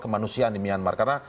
kemanusiaan di myanmar karena